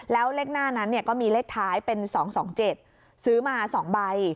แล้วเลขหน้านั้นก็มีเลขท้ายเป็น๒๒๗ซื้อมา๒ใบ